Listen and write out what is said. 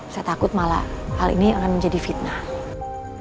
saya takut malah hal ini akan menjadi fitnah